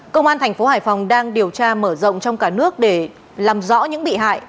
công an thành phố hải phòng đang điều tra mở rộng trong cả nước để làm rõ những bị hại